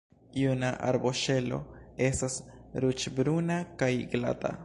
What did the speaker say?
Juna arboŝelo estas ruĝ-bruna kaj glata.